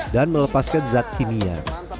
dan melepaskan zat kimia